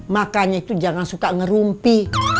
makanya itu jangan suka ngerumpi